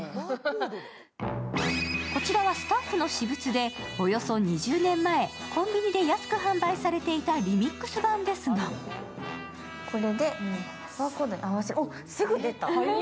こちらはスタッフの私物でおよそ２０年前、コンビニで安く販売されていたリミックス版ですがこれでバーコードに合わせて、あっ、すぐ出た！